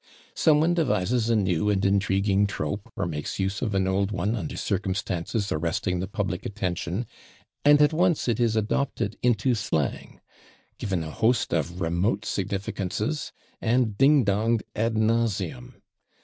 Some one devises a new and intriguing trope or makes use of an old one under circumstances arresting the public attention, and at once it is adopted into slang, given a host of remote significances, and ding donged /ad nauseam